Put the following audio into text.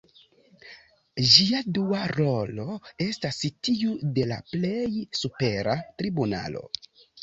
Ĝia dua rolo estas tiu de la plej supera tribunalo.